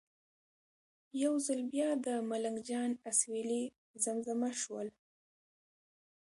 یو ځل بیا د ملنګ جان اسویلي زمزمه شول.